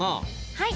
はい。